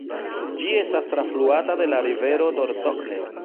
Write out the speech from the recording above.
Ĝi estas trafluata de la rivero Dordogne.